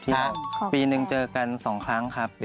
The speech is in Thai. ที่ปีนึงเจอกันสองครั้งครับ